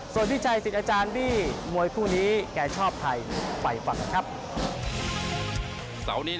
ส่วนพิจัยสิทธิ์อาจารย์ดีมวยคู่นี้